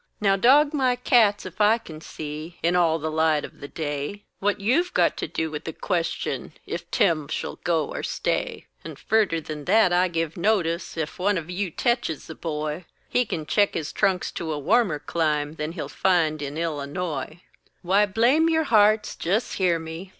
Now dog my cats ef I kin see, In all the light of the day, What you've got to do with the question Ef Tim shill go or stay. And furder than that I give notice, Ef one of you tetches the boy, He kin check his trunks to a warmer clime Than he'll find in Illanoy. Why, blame your hearts, jest hear me!